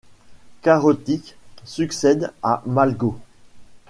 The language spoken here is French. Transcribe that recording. Karetic succède à Malgo.